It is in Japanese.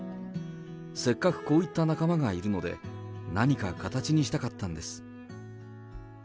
せっかくこういった仲間がいるので、何か形にしたかったんです。